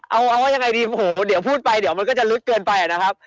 เอาว่ายังไงดีโอ้โหเดี๋ยวพูดไปเดี๋ยวมันก็จะลึกเกินไปนะครับ